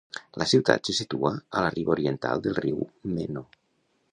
La ciutat se situa a la riba oriental del riu Meno.